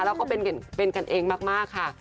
แล้วก็เป็นกันเองมากค่ะ